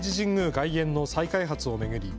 外苑の再開発を巡り